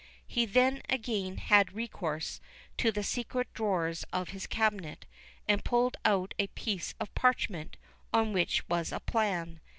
He then again had recourse to the secret drawers of his cabinet, and pulled out a piece of parchment, on which was a plan.